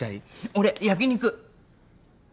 俺焼き肉。